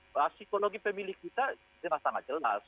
pada psikologi pemilik kita itu memang sangat jelas